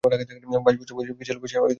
বাইশ বছর বয়সে কিসের লোভে সে গৃহ ছাড়িয়ছিল?